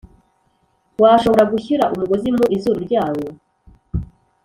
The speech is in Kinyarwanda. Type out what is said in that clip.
Washobora gushyira umugozi mu izuru ryayo